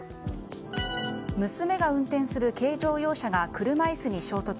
娘が運転する軽乗用車が車椅子に衝突。